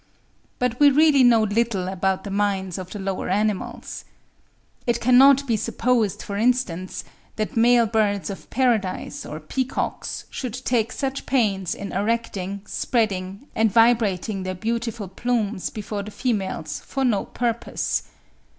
But we really know little about the minds of the lower animals. It cannot be supposed, for instance, that male birds of paradise or peacocks should take such pains in erecting, spreading, and vibrating their beautiful plumes before the females for no purpose.